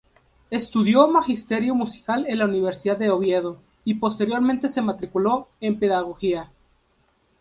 Estudió Magisterio musical en la Universidad de Oviedo y posteriormente se matriculó en Pedagogía.